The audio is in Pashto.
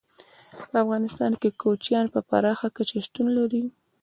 په افغانستان کې کوچیان په پراخه کچه شتون لري.